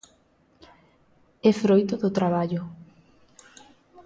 É froito do traballo.